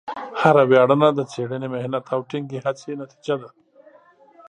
هره ویاړنه د څېړنې، محنت، او ټینګې هڅې نتیجه ده.